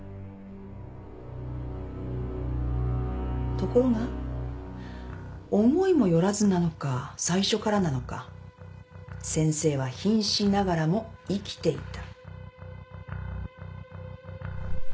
ところが思いも寄らずなのか最初からなのか先生は瀕死ながらも生きていた。